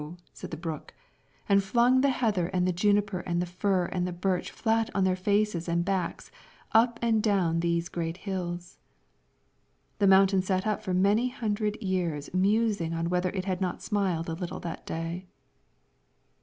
said the brook, and flung the heather and the juniper and the fir and the birch flat on their faces and backs, up and down these great hills. The mountain sat up for many hundred years musing on whether it had not smiled a little that day.